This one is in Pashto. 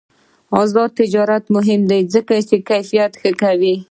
آزاد تجارت مهم دی ځکه چې کیفیت ښه کوي.